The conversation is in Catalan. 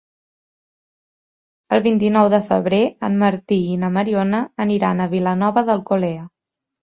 El vint-i-nou de febrer en Martí i na Mariona aniran a Vilanova d'Alcolea.